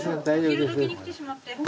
昼どきに来てしまって。